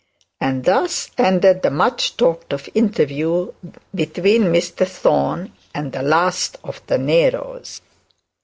And thus ended the much talked of interview between Mr Thorne and the last of the Neros.